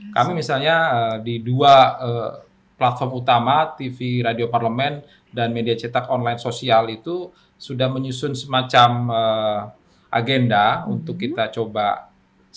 kami misalnya di dua platform utama tv radio parlemen dan media cetak online sosial itu sudah menyusun semacam agenda untuk kita coba